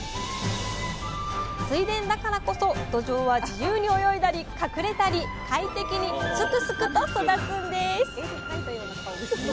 水田だからこそどじょうは自由に泳いだり隠れたり快適にすくすくと育つんです！